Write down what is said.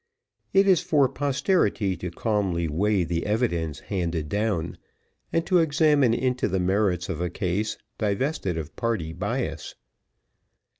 It is for posterity to calmly weigh the evidence handed down, and to examine into the merits of a case divested of party bias.